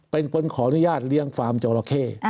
เป็นคนขออนุญาตเลี้ยงฟาร์มจอราเข้